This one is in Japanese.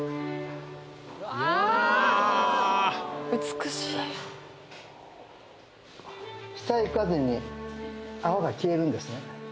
美しい下へ行かずに泡が消えるんですね